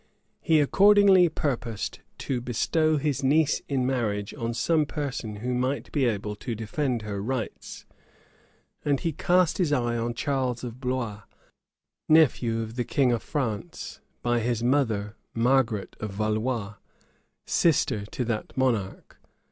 [*] He accordingly purposed to bestow his niece in marriage on some person who might be able to defend her rights; and he cast his eye on Charles of Blois, nephew of the king of France, by his mother, Margaret of Valois, sister to that monarch.